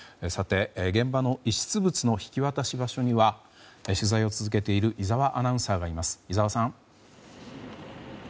現場の遺失物の引き渡し場所には取材を続けている井澤アナウンサーがいます。